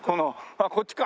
あっこっちか。